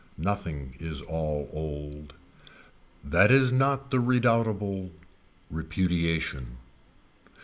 Nothing is all old. That is not the redoubtable repudiation.